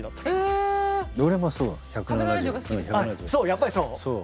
やっぱりそう？